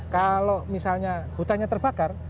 kalau misalnya hutannya terbakar